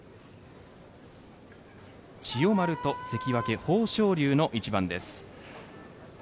千代丸と関脇・豊昇龍の一番です。